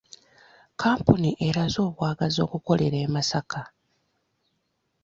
Kapuni eraze obwagazi okukolera e Masaka.